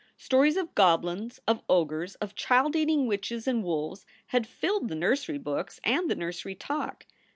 Stories of goblins, of ogres, of child eating witches and wolves, had filled the nursery books and the nursery talk.